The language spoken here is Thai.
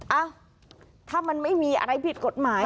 เอ้าถ้ามันไม่มีอะไรผิดกฎหมาย